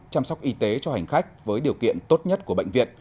chăm sóc y tế cho hành khách với điều kiện tốt nhất của bệnh viện